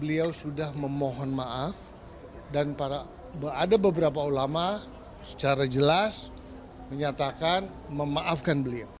beliau sudah memohon maaf dan ada beberapa ulama secara jelas menyatakan memaafkan beliau